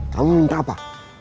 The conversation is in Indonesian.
kamu minta apa